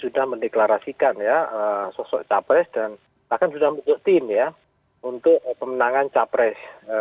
sudah diklarasikan ya sosok capres dan bahkan sudah menunjukkan ya untuk pemenangan capres